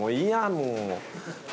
もう。